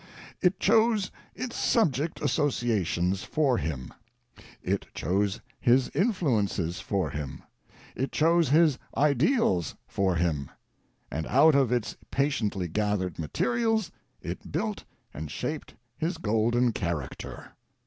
It chose Its subject's asso ciations for him; It chose his influences for him; It chose his ideals for him; and, out of Its patiently gathered materials, It built and shaped his golden character.